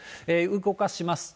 動かしますと。